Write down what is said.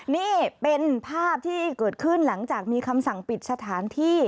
นี่เป็นภาพที่เกิดขึ้นหลังจากมีคำสั่งปิดสถานที่